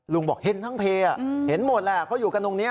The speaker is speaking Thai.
บอกเห็นทั้งเพย์เห็นหมดแหละเขาอยู่กันตรงนี้